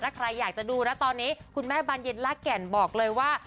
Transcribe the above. ถ้าใครอยากจะดูนะตอนนี้คุณแม่บานเย็นลากแก่นบอกเลยว่า